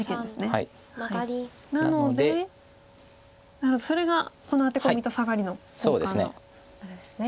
なるほどそれがこのアテコミとサガリの交換のあれですね。